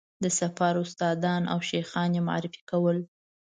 د سفر استادان او شیخان یې معرفي کول.